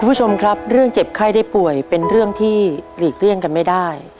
คุณผู้ชมครับเรื่องเจ็บไข้ได้ป่วยเป็นเรื่องที่หลีกเลี่ยงกันไม่ได้